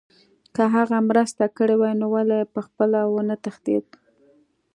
که هغه مرسته کړې وای نو ولې پخپله ونه تښتېد